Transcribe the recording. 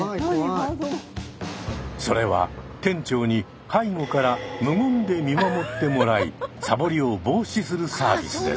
それは店長に背後から無言で見守ってもらいサボりを防止するサービスです。